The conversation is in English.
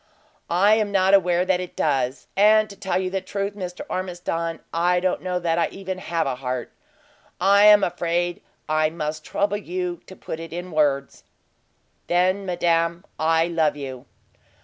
"I am not aware that it does! And to tell you the truth, Mr. Ormiston, I don't know that I even have a heart! I am afraid I must trouble you to put it in words." "Then, madame, I love you!"